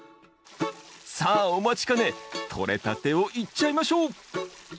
さあお待ちかねとれたてをいっちゃいましょう！